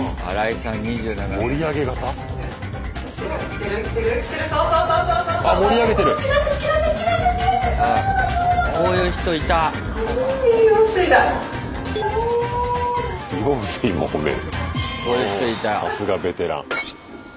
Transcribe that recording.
さすがベテラン。